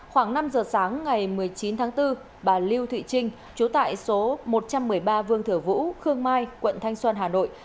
khoảng năm giờ sáng ngày một mươi chín tháng bốn bà lưu thụy trinh chú tại số một trăm một mươi ba vương thử vũ khương mai quận thanh xuân hà nội